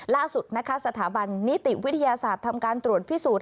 ล่าสุดนะคะสถาบันนิติวิทยาศาสตร์ทำการตรวจพิสูจน์